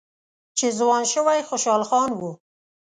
چې ځوان شوی خوشحال خان و